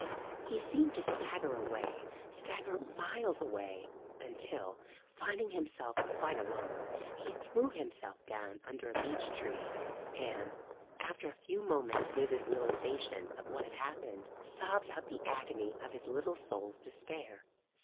He seemed to stagger away, stagger miles away, until, finding himself quite alone, he threw himself down under a beech tree, and, after a few moments' vivid realization of what had happened, sobbed out the agony of his little soul's despair.